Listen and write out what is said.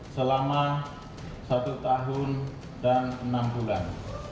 selama satu tahun dan enam bulan